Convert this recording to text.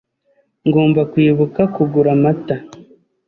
Ngomba kwibuka kugura amata.